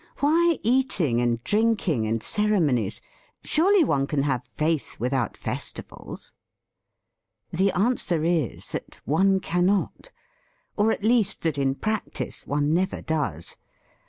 Why eating and drinking and ceremonies? Surely one can have faith without festi vals?" *:((* 9): The answer is that one cannot; or at least that in practice, one never does.